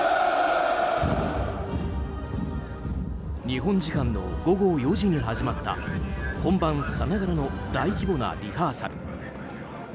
日本時間の午後４時に始まった本番さながらの大規模なリハーサル。